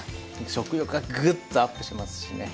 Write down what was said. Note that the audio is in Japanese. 食欲がグッとアップしますしね。